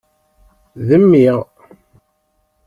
D mmi.